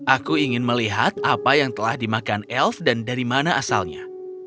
aku ingin melihat apa yang telah dimakan elf dan dari mana asalnya